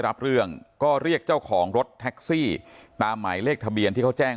รับเรื่องก็เรียกเจ้าของรถแท็กซี่ตามหมายเลขทะเบียนที่เขาแจ้ง